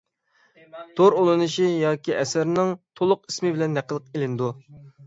تور ئۇلىنىشى ياكى ئەسەرنىڭ تولۇق ئىسمى بىلەن نەقىل ئېلىنىدۇ.